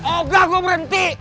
oh gak gua berhenti